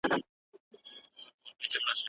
هغه شپه د دوه پیالو په میو مست وم